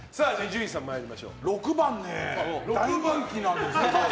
６番、大人気なんですけど